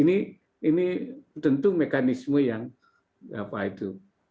ini tentu mekanisme yang apa itu